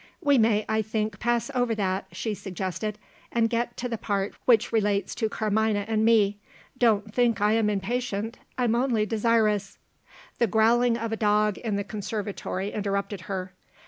"We may, I think, pass over that," she suggested, "and get to the part of it which relates to Carmina and me. Don't think I am impatient; I am only desirous " The growling of a dog in the conservatory interrupted her.